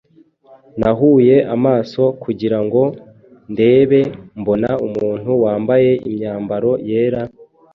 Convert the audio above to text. Nubuye amaso kugira ngo ndebe mbona umuntu wambaye imyambaro yera,